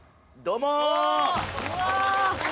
どうも！